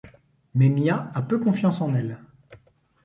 Mais Mia a peu confiance en elle.